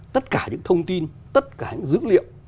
tất cả những thông tin tất cả những dữ liệu